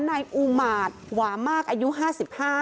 ในอุมาสหวามมาคอายุห้าสิบห้า